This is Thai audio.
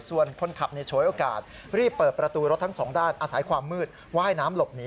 ส่วนคนขับในโฉยโอกาศรีบเปิดประตูรถทั้ง๒ด้าน